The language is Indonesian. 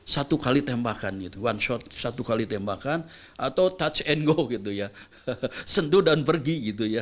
satu kali tembakan one shot satu kali tembakan atau touch and go sentuh dan pergi